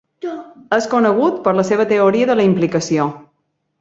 És conegut per la seva teoria de la implicació.